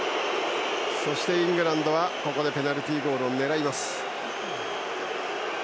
そしてイングランドはここでペナルティーゴールを狙う。